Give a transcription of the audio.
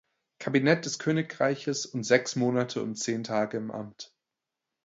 Kabinett des Königreiches und sechs Monate und zehn Tage im Amt.